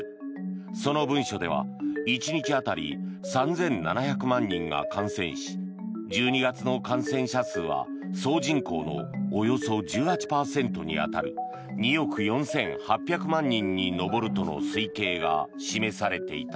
その文書では１日当たり３７００万人が感染し１２月の感染者数は総人口のおよそ１８％に当たる２億４８００万人に上るとの推計が示されていた。